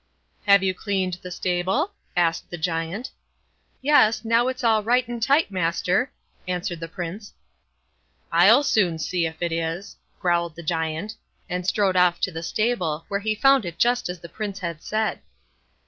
"Have you cleaned the stable?" asked the Giant. "Yes, now it's all right and tight, master", answered the Prince. "I'll soon see if it is", growled the Giant, and strode off to the stable, where he found it just as the Prince had said.